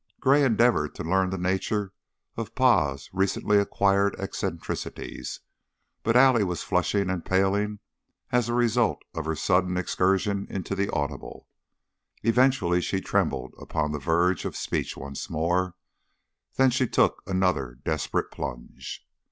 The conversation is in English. Gray endeavored to learn the nature of Pa's recently acquired eccentricities, but Allie was flushing and paling as a result of her sudden excursion into the audible. Eventually she trembled upon the verge of speech once more, then she took another desperate plunge.